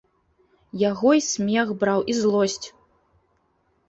Яго й смех браў і злосць.